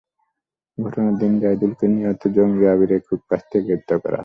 ঘটনার দিন জাহিদুলকে নিহত জঙ্গি আবিরের খুব কাছ থেকে গ্রেপ্তার করা হয়।